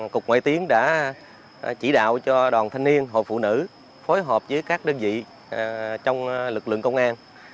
cục ngoại tiến đã chỉ đạo cho đoàn thanh niên hội phụ nữ phối hợp với các đơn vị trong lực lượng công an